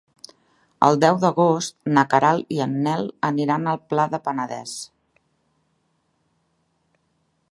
El deu d'agost na Queralt i en Nel aniran al Pla del Penedès.